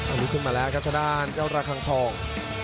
อ้ะลุกขึ้นมาแล้วครับซะดาน๙ราคัง๒